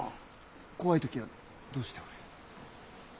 怖い時はどうしておる？